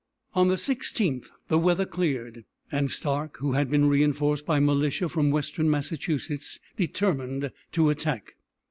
On the 16th the weather cleared, and Stark, who had been reinforced by militia from western Massachusetts, determined to attack.